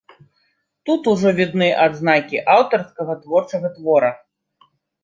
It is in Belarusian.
Тут ужо відны адзнакі аўтарскага творчага твора.